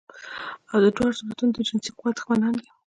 او دا دواړه صورتونه د جنسي قوت دښمنان دي